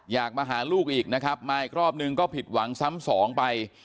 อยากมาหาลูกอีกนะครับมาอีกรอบนึงก็ผิดหวังซ้ำสองไป